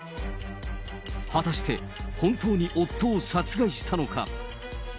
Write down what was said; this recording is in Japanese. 果たして、本当に夫を殺害したのか。